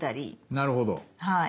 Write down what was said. なるほど。